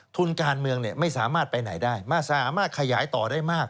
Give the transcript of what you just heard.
ทุนการเมืองไม่สามารถไปไหนได้สามารถขยายต่อได้มาก